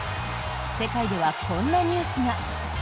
世界ではこんなニュースが。